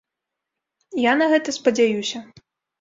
Я на гэта спадзяюся.